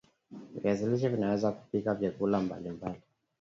viazi lishe vinaweza kupika vyakula mbali mbali